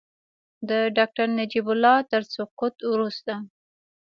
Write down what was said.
د ډاکټر نجیب الله تر سقوط وروسته.